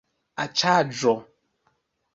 aĉaĵo